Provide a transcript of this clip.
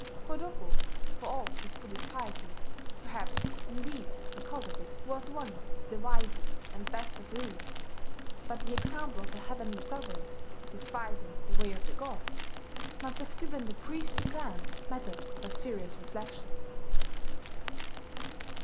Kotoku, for all his Buddhist piety (perhaps, indeed, because of it), was one of the wisest and best of rulers; but the example of a heavenly sovereign "despising the Way of the Gods," must have given the priestly clan matter for serious reflection....